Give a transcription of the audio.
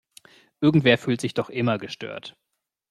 Irgendwer fühlt sich doch immer gestört.